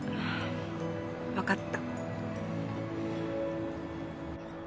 分かった。